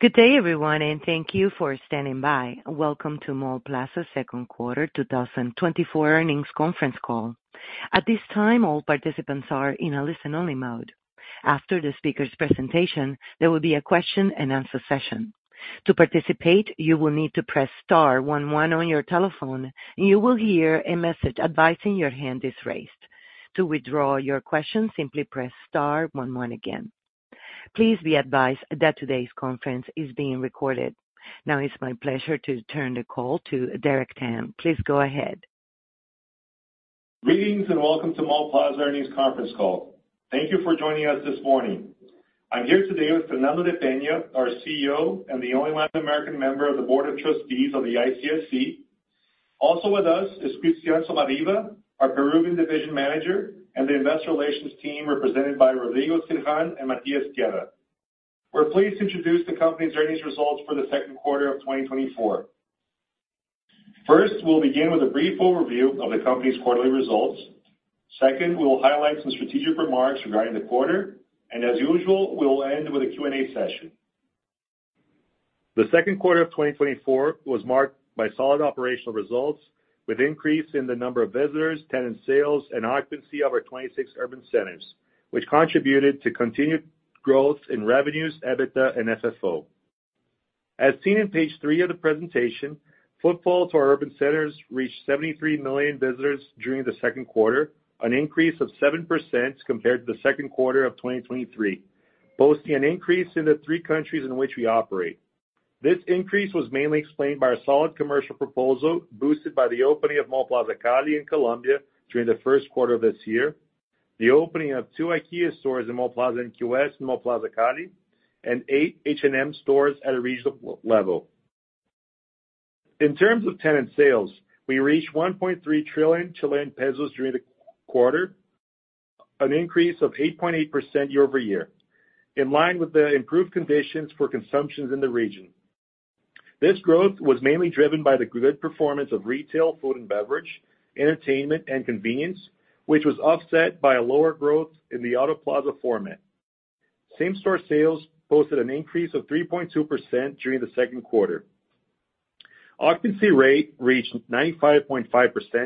Good day, everyone, and thank you for standing by. Welcome to Mallplaza Second Quarter 2024 earnings conference call. At this time, all participants are in a listen-only mode. After the speaker's presentation, there will be a question-and-answer session. To participate, you will need to press star one one on your telephone, and you will hear a message advising your hand is raised. To withdraw your question, simply press star one one again. Please be advised that today's conference is being recorded. Now, it's my pleasure to turn the call to Derek Tang. Please go ahead. Greetings and welcome to Mallplaza earnings conference call. Thank you for joining us this morning. I'm here today with Fernando de Peña, our CEO and the only Latin American member of the Board of Trustees of the ICSC. Also with us is Cristián Somarriva, our Peruvian division manager, and the investor relations team represented by Rodrigo Sirhan and Matías Ueda. We're pleased to introduce the company's earnings results for the second quarter of 2024. First, we'll begin with a brief overview of the company's quarterly results. Second, we'll highlight some strategic remarks regarding the quarter, and as usual, we'll end with a Q&A session. The second quarter of 2024 was marked by solid operational results with increases in the number of visitors, tenant sales, and occupancy of our 26 urban centers, which contributed to continued growth in revenues, EBITDA, and FFO. As seen in page three of the presentation, footfall to our urban centers reached 73 million visitors during the second quarter, an increase of 7% compared to the second quarter of 2023, posting an increase in the three countries in which we operate. This increase was mainly explained by a solid commercial proposal boosted by the opening of Mallplaza Cali in Colombia during the first quarter of this year, the opening of two IKEA stores in Mallplaza NQS and Mallplaza Cali, and eight H&M stores at a regional level. In terms of tenant sales, we reached 1.3 trillion Chilean pesos during the quarter, an increase of 8.8% year-over-year, in line with the improved conditions for consumption in the region. This growth was mainly driven by the good performance of retail, food and beverage, entertainment, and convenience, which was offset by a lower growth in the Autoplaza format. Same-store sales posted an increase of 3.2% during the second quarter. Occupancy rate reached 95.5%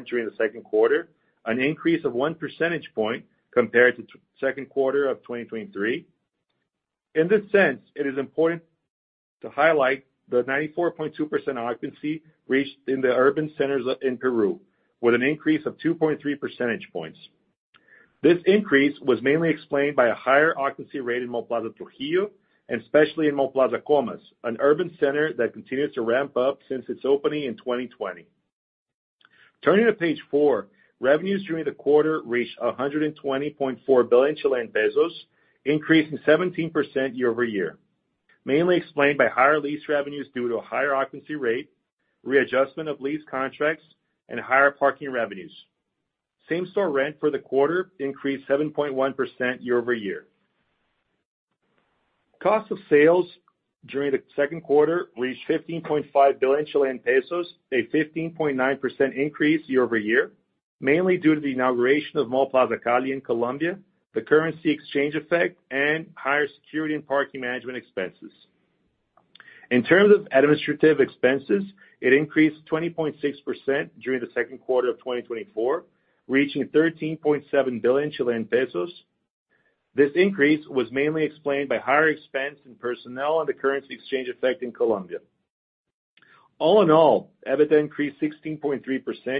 during the second quarter, an increase of one percentage point compared to the second quarter of 2023. In this sense, it is important to highlight the 94.2% occupancy reached in the urban centers in Peru, with an increase of 2.3 percentage points. This increase was mainly explained by a higher occupancy rate in Mallplaza Trujillo and especially in Mallplaza Comas, an urban center that continues to ramp up since its opening in 2020. Turning to page four, revenues during the quarter reached 120.4 billion Chilean pesos, increasing 17% year-over-year, mainly explained by higher lease revenues due to a higher occupancy rate, readjustment of lease contracts, and higher parking revenues. Same-store rent for the quarter increased 7.1% year-over-year. Cost of sales during the second quarter reached 15.5 billion Chilean pesos, a 15.9% increase year-over-year, mainly due to the inauguration of Mallplaza Cali in Colombia, the currency exchange effect, and higher security and parking management expenses. In terms of administrative expenses, it increased 20.6% during the second quarter of 2024, reaching 13.7 billion Chilean pesos. This increase was mainly explained by higher expense in personnel and the currency exchange effect in Colombia. All in all, EBITDA increased 16.3%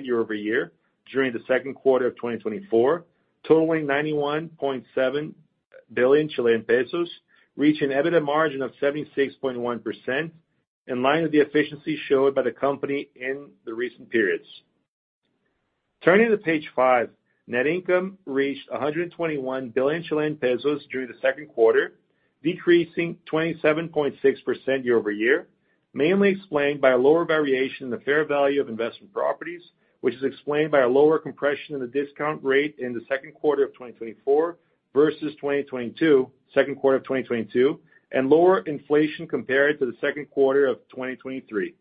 year-over-year during the second quarter of 2024, totaling 91.7 billion Chilean pesos, reaching an EBITDA margin of 76.1%, in line with the efficiency showed by the company in the recent periods. Turning to page five, net income reached 121 billion Chilean pesos during the second quarter, decreasing 27.6% year-over-year, mainly explained by a lower variation in the fair value of investment properties, which is explained by a lower compression in the discount rate in the second quarter of 2024 versus second quarter of 2022, and lower inflation compared to the second quarter of 2023.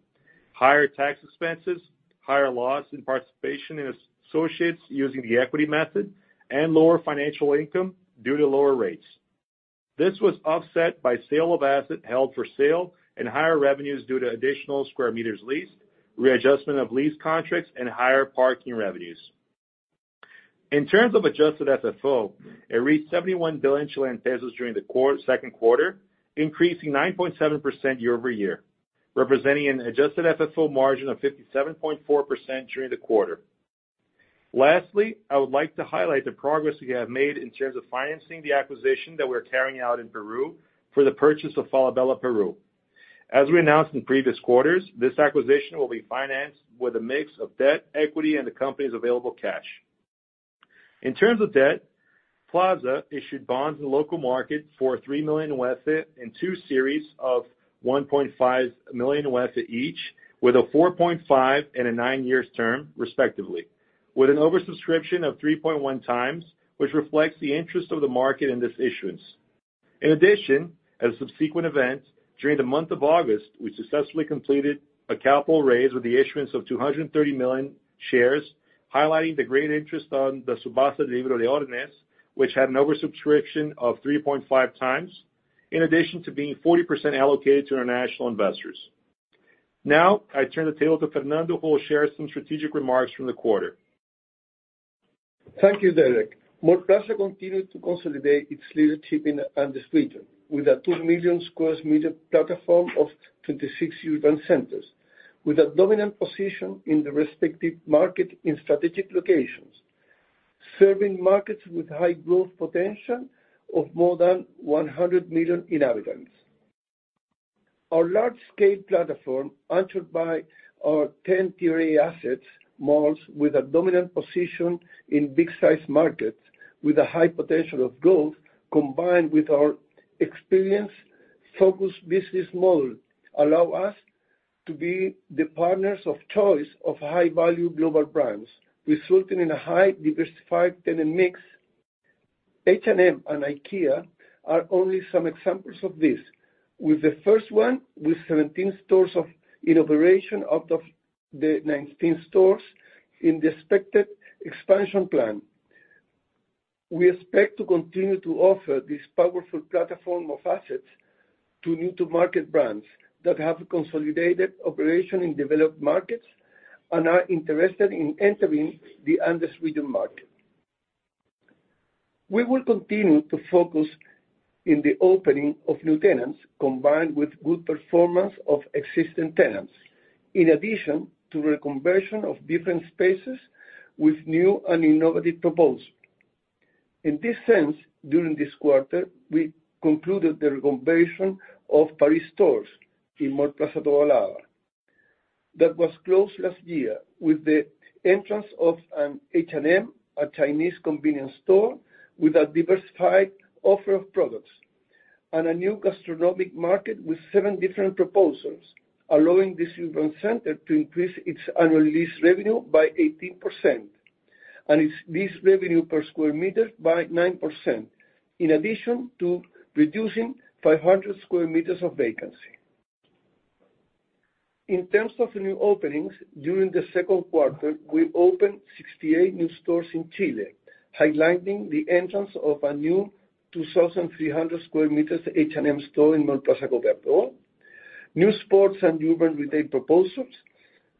Higher tax expenses, higher loss in participation in associates using the equity method, and lower financial income due to lower rates. This was offset by sale of asset held for sale and higher revenues due to additional square meters leased, readjustment of lease contracts, and higher parking revenues. In terms of adjusted FFO, it reached 71 billion Chilean pesos during the second quarter, increasing 9.7% year-over-year, representing an adjusted FFO margin of 57.4% during the quarter. Lastly, I would like to highlight the progress we have made in terms of financing the acquisition that we are carrying out in Peru for the purchase of Falabella Perú. As we announced in previous quarters, this acquisition will be financed with a mix of debt, equity, and the company's available cash. In terms of debt, Plaza issued bonds in the local market for UF 3 million in two series of UF 1.5 million each, with a 4.5 and a 9-year term, respectively, with an oversubscription of 3.1x, which reflects the interest of the market in this issuance. In addition, as a subsequent event, during the month of August, we successfully completed a capital raise with the issuance of 230 million shares, highlighting the great interest on the Subasta de Libro de Órdenes, which had an oversubscription of 3.5x, in addition to being 40% allocated to international investors. Now, I turn the table to Fernando, who will share some strategic remarks from the quarter. Thank you, Derek. Mallplaza continues to consolidate its leadership in this region with a 2 million sq m platform of 26 urban centers, with a dominant position in the respective market in strategic locations, serving markets with high growth potential of more than 100 million inhabitants. Our large-scale platform, answered by our 10 tier A assets, malls with a dominant position in big-size markets with a high potential of growth, combined with our experienced, focused business model, allows us to be the partners of choice of high-value global brands, resulting in a high-diversified tenant mix. H&M and IKEA are only some examples of this, with the first one with 17 stores in operation out of the 19 stores in the expected expansion plan. We expect to continue to offer this powerful platform of assets to new-to-market brands that have consolidated operations in developed markets and are interested in entering the underserved market. We will continue to focus on the opening of new tenants, combined with good performance of existing tenants, in addition to reconversion of different spaces with new and innovative proposals. In this sense, during this quarter, we concluded the reconversion of Paris stores in Mallplaza Los Dominicos. That was closed last year with the entrance of an H&M, a Chinese convenience store, with a diversified offer of products and a new gastronomic market with seven different proposals, allowing this urban center to increase its annual lease revenue by 18% and its lease revenue per square meter by 9%, in addition to reducing 500 square meters of vacancy. In terms of new openings, during the second quarter, we opened 68 new stores in Chile, highlighting the entrance of a new 2,300 sq m H&M store in Mallplaza Mirador, new sports and urban retail proposals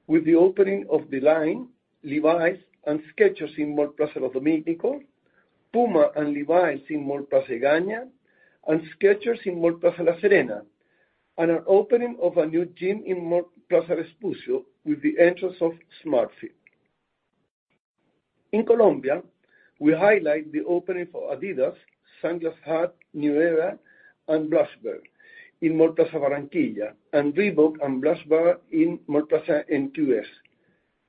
with the opening of The Line, Levi's, and Skechers in Mallplaza Los Dominicos, Puma and Levi's in Mallplaza Egaña, and Skechers in Mallplaza La Serena, and an opening of a new gym in Mallplaza Vespucio with the entrance of Smart Fit. In Colombia, we highlight the opening for Adidas, Sunglass Hut, New Era, and Blush-Bar in Mallplaza Barranquilla, and Reebok and Blush-Bar in Mallplaza NQS.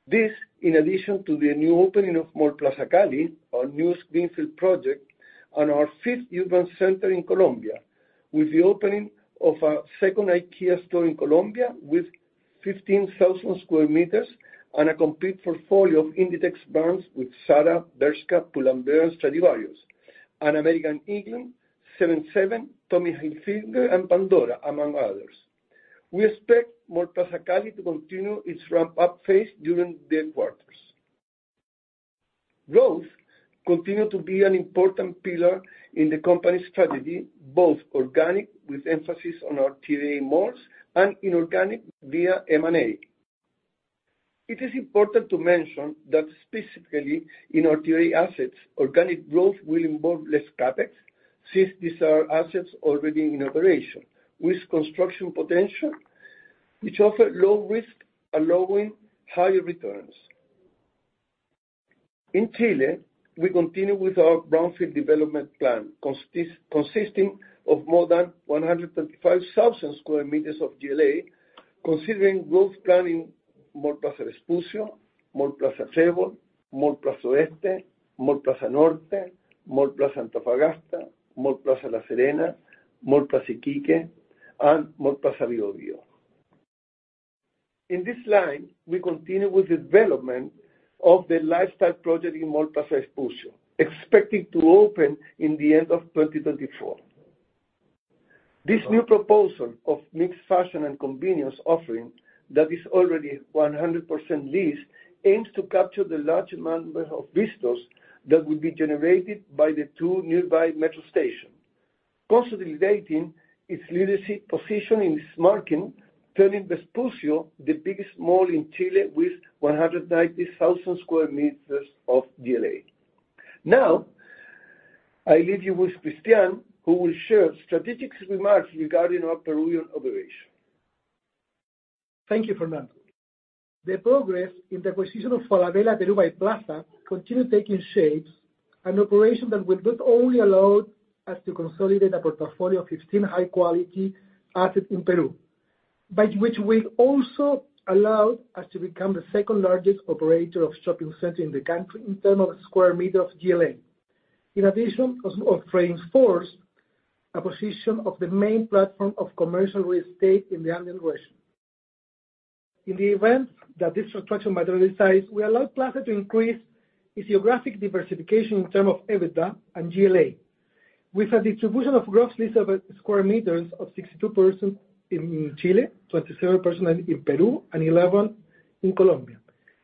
This, in addition to the new opening of Mallplaza Cali, our new Greenfield project, and our fifth urban center in Colombia, with the opening of a second IKEA store in Colombia with 15,000 sq m and a complete portfolio of Inditex brands with Zara, Bershka, Pull & Bear, Stradivarius, and American Eagle, Seven Seven, Tommy Hilfiger, and Pandora, among others. We expect Mallplaza Cali to continue its ramp-up phase during the quarters. Growth continues to be an important pillar in the company's strategy, both organic with emphasis on our tier A malls and inorganic via M&A. It is important to mention that specifically in our tier A assets, organic growth will involve less CapEx since these are assets already in operation with construction potential, which offers low risk, allowing higher returns. In Chile, we continue with our brownfield development plan consisting of more than 135,000 sq m of GLA, considering growth plan in Mallplaza Vespucio, Mallplaza Trébol, Mallplaza Oeste, Mallplaza Norte, Mallplaza Antofagasta, Mallplaza La Serena, Mallplaza Iquique, and Mallplaza Biobío. In this line, we continue with the development of the lifestyle project in Mallplaza Vespucio, expecting to open in the end of 2024. This new proposal of mixed fashion and convenience offering that is already 100% leased aims to capture the large number of visitors that would be generated by the two nearby metro stations, consolidating its leadership position in its market, turning Vespucio the biggest mall in Chile with 190,000 sq m of GLA. Now, I leave you with Cristián, who will share strategic remarks regarding our Peruvian operation. Thank you, Fernando. The progress in the acquisition of Falabella Perú by Plaza continues taking shape, an operation that will not only allow us to consolidate a portfolio of 15 high-quality assets in Peru, but which will also allow us to become the second largest operator of shopping centers in the country in terms of square meter of GLA, in addition to reinforce a position of the main platform of commercial real estate in the Andes region. In the event that this transaction materializes, we allow Plaza to increase its geographic diversification in terms of EBITDA and GLA, with a distribution of gross lease of square meters of 62% in Chile, 27% in Peru, and 11% in Colombia,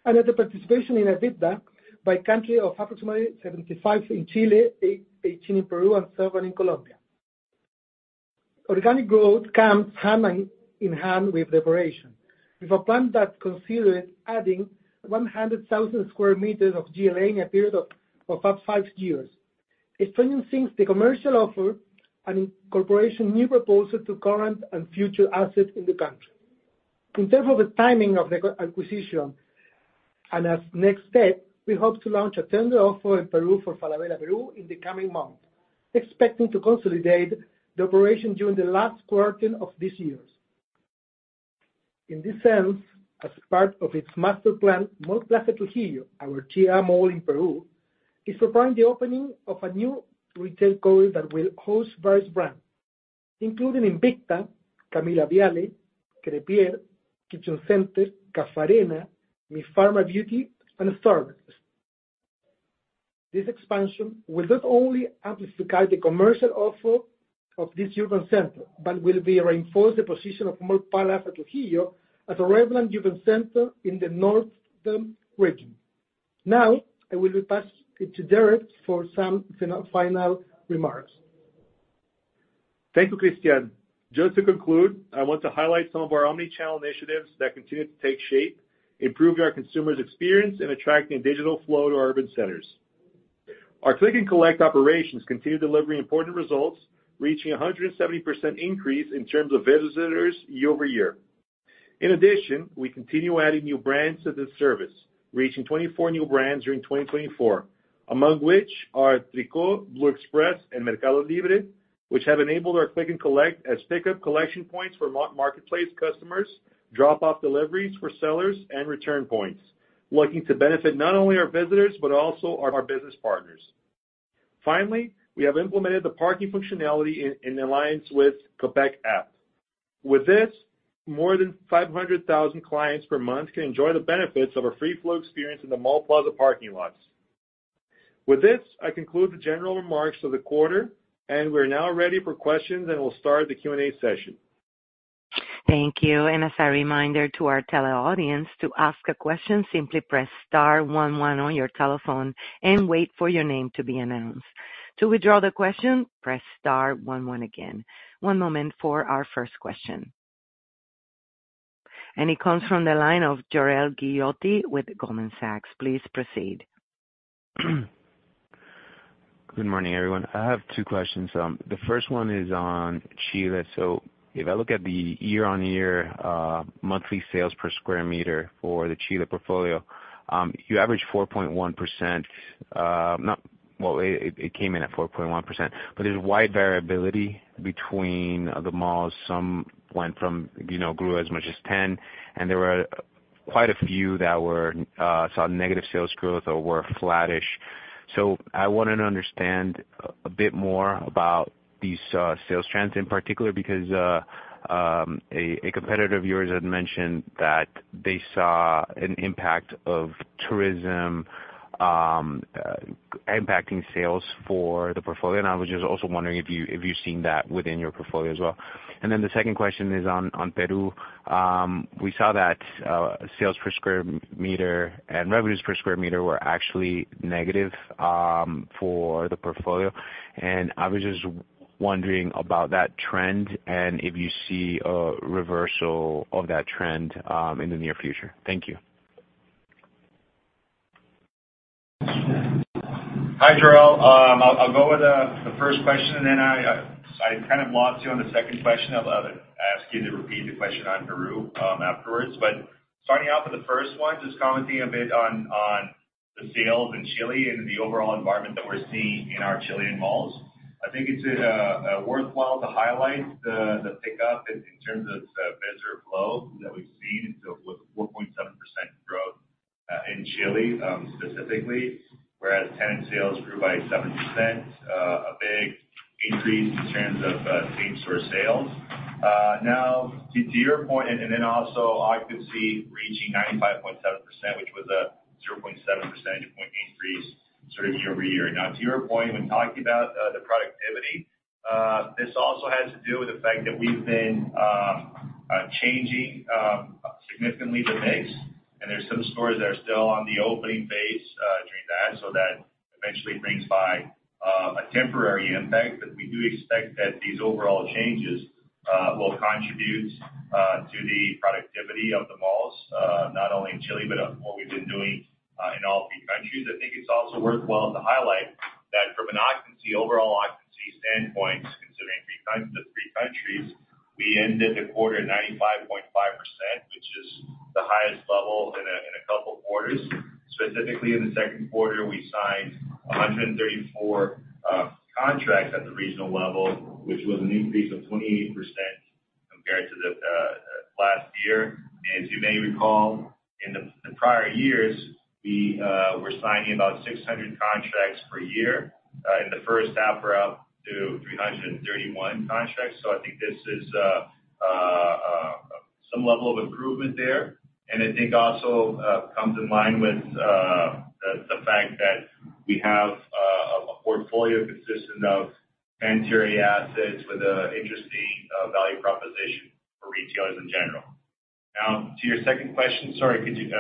and a participation in EBITDA by countries of approximately 75% in Chile, 18% in Peru, and 7% in Colombia. Organic growth comes hand in hand with the operation, with a plan that considers adding 100,000 sq m of GLA in a period of about five years. It strengthens the commercial offer and incorporates new proposals to current and future assets in the country. In terms of the timing of the acquisition and as next step, we hope to launch a tender offer in Peru for Falabella Perú in the coming months, expecting to consolidate the operation during the last quarter of this year. In this sense, as part of its master plan, Mallplaza Trujillo, our Tier A mall in Peru, is preparing the opening of a new retail corridor that will host various brands, including Invicta, Camila Viali, Crepier, Kitchen Center, Caffarena, Mifarma Beauty, and Starbucks. This expansion will not only amplify the commercial offer of this urban center, but will reinforce the position of Mallplaza Trujillo as a relevant urban center in the northern region. Now, I will pass it to Derek for some final remarks. Thank you, Cristián. Just to conclude, I want to highlight some of our omnichannel initiatives that continue to take shape, improving our consumers' experience and attracting digital flow to our urban centers. Our click-and-collect operations continue delivering important results, reaching a 170% increase in terms of visitors year-over-year. In addition, we continue adding new brands to this service, reaching 24 new brands during 2024, among which are Tricot, Blue Express, and Mercado Libre, which have enabled our click-and-collect as pickup collection points for marketplace customers, drop-off deliveries for sellers, and return points, looking to benefit not only our visitors but also our business partners. Finally, we have implemented the parking functionality in alliance with the Copec app. With this, more than 500,000 clients per month can enjoy the benefits of a free-flow experience in the Mallplaza parking lots. With this, I conclude the general remarks of the quarter, and we are now ready for questions and will start the Q&A session. Thank you. As a reminder to our tele-audience, to ask a question, simply press star 11 on your telephone and wait for your name to be announced. To withdraw the question, press star 11 again. One moment for our first question. It comes from the line of Jorel Guilloty with Goldman Sachs. Please proceed. Good morning, everyone. I have two questions. The first one is on Chile. If I look at the year-on-year monthly sales per square meter for the Chile portfolio, you average 4.1%. It came in at 4.1%, but there is wide variability between the malls. Some grew as much as 10%, and there were quite a few that saw negative sales growth or were flattish. I wanted to understand a bit more about these sales trends in particular because a competitor of yours had mentioned that they saw an impact of tourism impacting sales for the portfolio, and I was just also wondering if you have seen that within your portfolio as well. The second question is on Peru. We saw that sales per square meter and revenues per square meter were actually negative for the portfolio, and I was just wondering about that trend and if you see a reversal of that trend in the near future. Thank you. Hi, Jorel. I'll go with the first question, and then I kind of lost you on the second question. I'll ask you to repeat the question on Peru afterwards. Starting off with the first one, just commenting a bit on the sales in Chile and the overall environment that we're seeing in our Chilean malls. I think it's worthwhile to highlight the pickup in terms of visitor flow that we've seen, with 4.7% growth in Chile specifically, whereas tenant sales grew by 7%, a big increase in terms of same-store sales. Now, to your point, and then also occupancy reaching 95.7%, which was a 0.7 percentage point increase sort of year-over-year. Now, to your point, when talking about the productivity, this also has to do with the fact that we've been changing significantly the mix, and there's some stores that are still on the opening phase during that, so that eventually brings by a temporary impact, but we do expect that these overall changes will contribute to the productivity of the malls, not only in Chile but what we've been doing in all three countries. I think it's also worthwhile to highlight that from an occupancy, overall occupancy standpoint, considering three countries, we ended the quarter at 95.5%, which is the highest level in a couple of quarters. Specifically, in the second quarter, we signed 134 contracts at the regional level, which was an increase of 28% compared to last year. As you may recall, in the prior years, we were signing about 600 contracts per year. In the first half, we're up to 331 contracts. I think this is some level of improvement there. I think also comes in line with the fact that we have a portfolio consistent of 10 tier A assets with an interesting value proposition for retailers in general. Now, to your second question, sorry, could you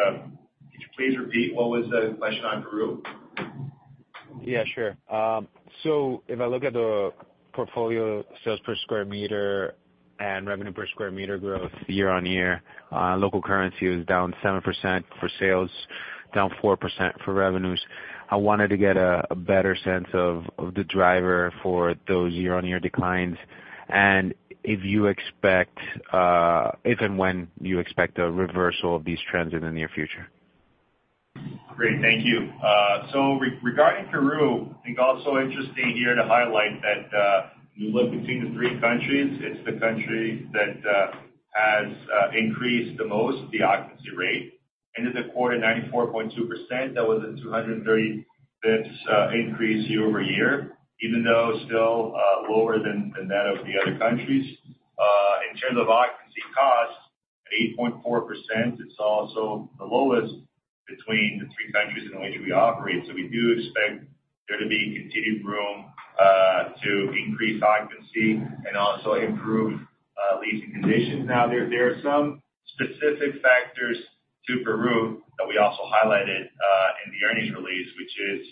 please repeat what was the question on Peru? Yeah, sure. If I look at the portfolio sales per square meter and revenue per square meter growth year on year, local currency was down 7% for sales, down 4% for revenues. I wanted to get a better sense of the driver for those year-on-year declines and if you expect, if and when you expect a reversal of these trends in the near future. Great. Thank you. Regarding Peru, I think also interesting here to highlight that when you look between the three countries, it is the country that has increased the most, the occupancy rate. End of the quarter, 94.2%. That was a 235 basis points increase year-over-year, even though still lower than that of the other countries. In terms of occupancy costs, at 8.4%, it is also the lowest between the three countries in which we operate. We do expect there to be continued room to increase occupancy and also improve leasing conditions. There are some specific factors to Peru that we also highlighted in the earnings release, which is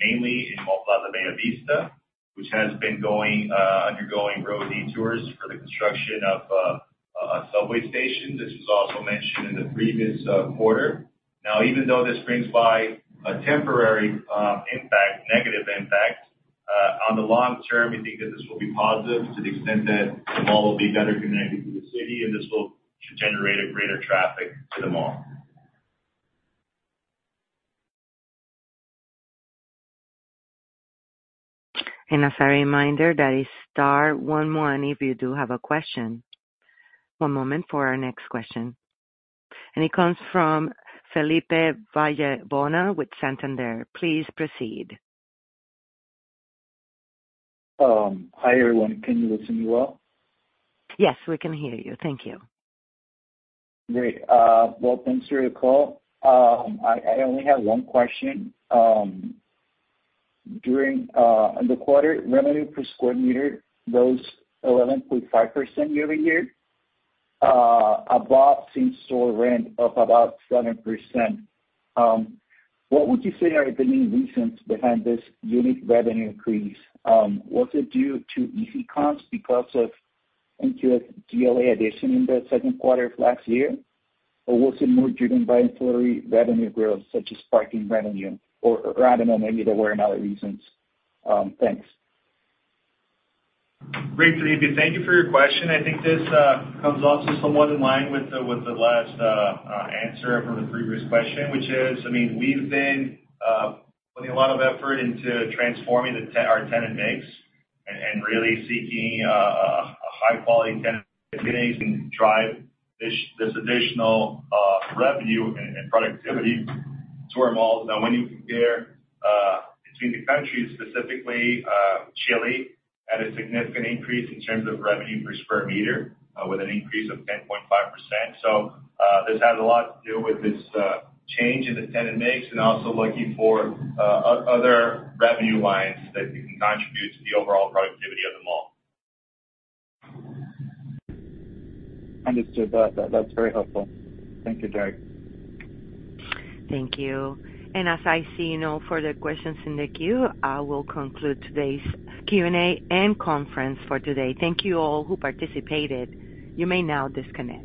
mainly in Mallplaza Bellavista, which has been undergoing road detours for the construction of a subway station. This was also mentioned in the previous quarter. Now, even though this brings by a temporary impact, negative impact, on the long term, we think that this will be positive to the extent that the mall will be better connected to the city, and this will generate greater traffic to the mall. As a reminder, that is star one one if you do have a question. One moment for our next question. It comes from Felipe Vallebona with Santander. Please proceed. Hi, everyone. Can you hear me well? Yes, we can hear you. Thank you. Great. Thanks for your call. I only have one question. During the quarter, revenue per square meter rose 11.5% year-over-year, above same-store rent of about 7%. What would you say are the main reasons behind this unique revenue increase? Was it due to easy comps because of NQS GLA addition in the second quarter of last year, or was it more driven by ancillary revenue growth, such as parking revenue, or I do not know, maybe there were other reasons? Thanks. Great, Felipe. Thank you for your question. I think this comes also somewhat in line with the last answer from the previous question, which is, I mean, we've been putting a lot of effort into transforming our tenant mix and really seeking a high-quality tenant mix and drive this additional revenue and productivity to our malls. Now, when you compare between the countries, specifically Chile, had a significant increase in terms of revenue per square meter with an increase of 10.5%. This has a lot to do with this change in the tenant mix and also looking for other revenue lines that can contribute to the overall productivity of the mall. Understood. That's very helpful. Thank you, Derek. Thank you. As I see no further questions in the queue, I will conclude today's Q&A and conference for today. Thank you all who participated. You may now disconnect.